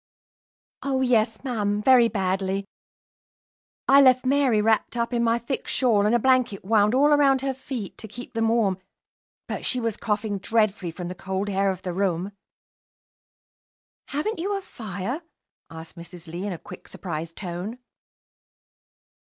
"Oh, yes, ma'am, very badly. I left Mary wrapped up in my thick shawl, and a blanket wound all around her feet to keep them warm; but she was coughing dreadfully from the cold air of the room." "Haven't you a fire?" asked Mrs. Lee, in a quick, surprised tone.